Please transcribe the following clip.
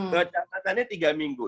ketua jakartanya tiga minggu